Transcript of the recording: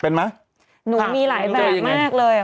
เป็นไหมหนูมีหลายแบบแบบแบบยังไง